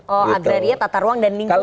oh agraria tata ruang dan lingkungan